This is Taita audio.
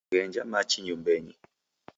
Ghenja machi nyumbenyi.